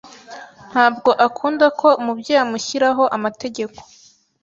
ntabwo akunda ko umubyeyi amushyiraho amategeko